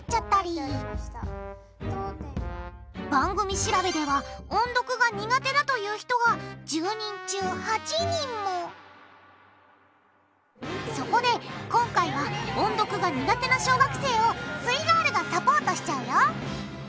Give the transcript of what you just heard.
番組調べではそこで今回は音読が苦手な小学生をすイガールがサポートしちゃうよ！